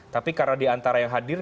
tapi karena diantara yang hadir